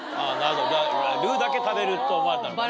ルーだけ食べると思われたのかな。